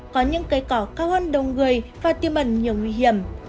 có những cây cỏ cao hơn đông người và tiêu mẩn nhiều nguy hiểm